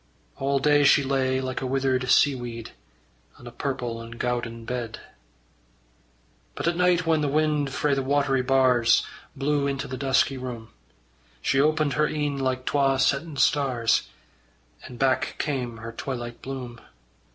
All day she lay like a withered seaweed, On a purple and gowden bed. But at night whan the wind frae the watery bars Blew into the dusky room, She opened her een like twa settin' stars, And back came her twilight bloom.